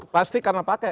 pasti karena pakai